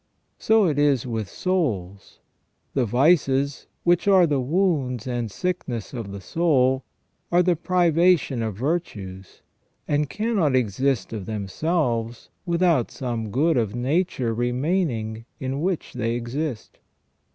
So it is with souls : the vices, which are the wounds and sickness of the soul, are the privation of virtues, and cannot exist of themselves without some good of nature remaining in which they exist.